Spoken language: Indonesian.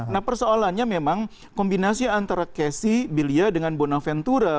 nah persoalannya memang kombinasi antara kesi bilia dengan bonaventura